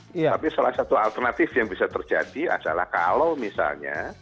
tapi salah satu alternatif yang bisa terjadi adalah kalau misalnya